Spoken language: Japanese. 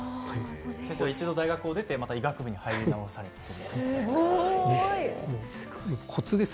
先生は一度、大学を出てまた医学部に入り直されました。